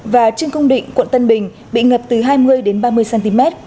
và trương công định quận tân bình bị ngập từ hai mươi đến ba mươi cm